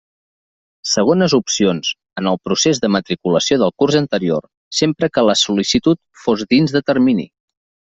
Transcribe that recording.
Segones opcions, en el procés de matriculació del curs anterior, sempre que la sol·licitud fos dins de termini.